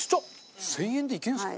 １０００円でいけるんですか？